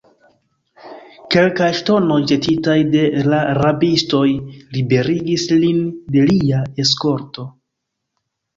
Kelkaj ŝtonoj, ĵetitaj de la rabistoj, liberigis lin de lia eskorto.